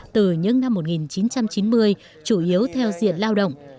từ những năm một nghìn chín trăm chín mươi chủ yếu theo diện lao động